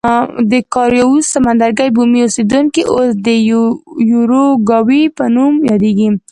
د کارایوس سمندرګي بومي اوسېدونکي اوس د یوروګوای په نوم یادېږي.